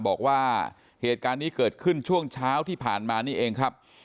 บอกว่าเหตุการณ์นี้เกิดขึ้นช่วงเช้าที่ผ่านมานี่เองครับ